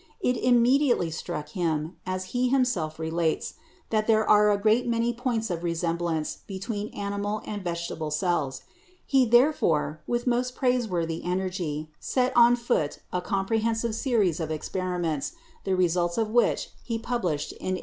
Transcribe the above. It immediately struck him, as he himself relates, that there are a great many points of resemblance between animal and vegetable cells. He therefore, with most praiseworthy energy, set on foot a comprehensive series of experiments, the results of which he published in 1839.